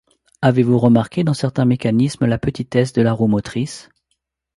Avez-vous remarqué dans certains mécanismes la petitesse de la roue motrice?